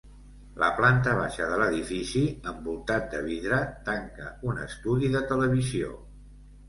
La planta baixa de l'edifici, envoltat de vidre, tanca un estudi de televisió.